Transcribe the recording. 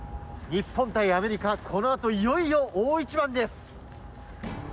日本対アメリカ、このあと、いよいよ大一番です。